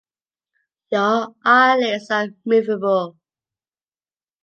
Your eyelids are movable.